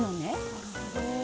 なるほど。